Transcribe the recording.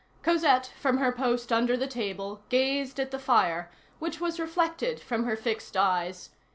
Cosette, from her post under the table, gazed at the fire, which was reflected from her fixed eyes.